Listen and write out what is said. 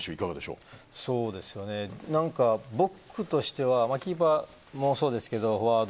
僕としてはキーパーもそうですけどフォワード。